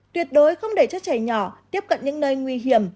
tuyệt đối không để chất chảy nhỏ tiếp cận những nơi nguy hiểm